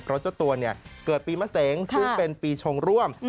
เพราะเจ้าตัวเนี่ยเกิดปีมะเสงซึ่งเป็นปีชงร่วม